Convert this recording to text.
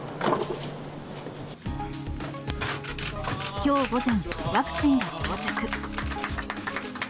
きょう午前、ワクチンが到着。